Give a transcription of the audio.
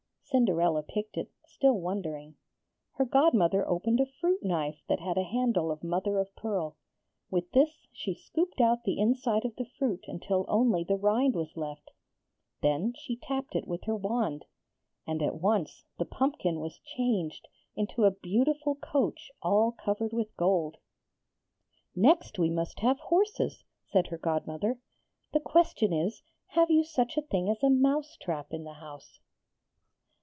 Cinderella picked it, still wondering. Her godmother opened a fruit knife that had a handle of mother of pearl. With this she scooped out the inside of the fruit till only the rind was left; then she tapped it with her wand, and at once the pumpkin was changed into a beautiful coach all covered with gold. 'Next we must have horses,' said her godmother. 'The question is, Have you such a thing as a mouse trap in the house?'